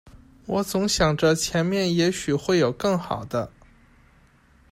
我总想着前面也许会有更好的